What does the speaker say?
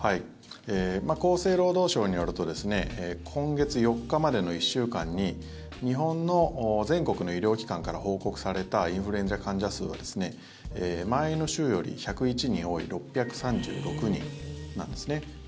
厚生労働省によると今月４日までの１週間に日本の全国の医療機関から報告されたインフルエンザ患者数は前の週より１０１人多い６３６人なんですね。